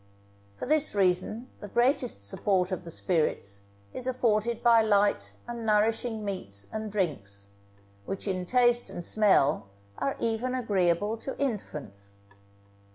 For this reason the greatest support of the spirits is afforded by light and nourishing meats and drinks, which in taste and smell are even agreeable to infants.